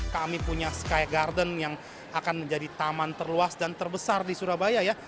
kami punya sky garden yang akan menjadi taman terluas dan terbesar di surabaya ya